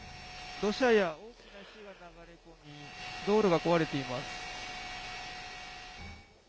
土砂や大きな石が流れ込み、道路が壊れています。